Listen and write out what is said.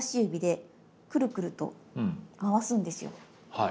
はい。